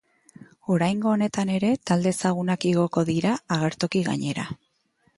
Oraingo honetan ere talde ezagunak igoko dira agertoki gainera.